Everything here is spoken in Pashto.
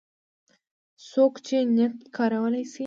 څوک چې نېټ کارولی شي